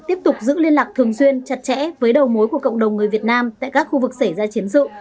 tiếp tục giữ liên lạc thường xuyên chặt chẽ với đầu mối của cộng đồng người việt nam tại các khu vực xảy ra chiến sự